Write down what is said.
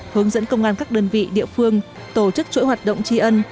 hướng dẫn công an các đơn vị địa phương tổ chức chuỗi hoạt động tri ân